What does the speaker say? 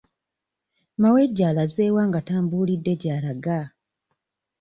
Mawejje alaze wa nga tambuulidde gy'alaga?